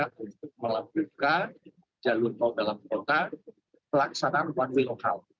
untuk melakukan jalur tog dalam kota pelaksanaan one way local